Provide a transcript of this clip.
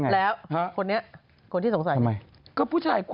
แล้วยังไง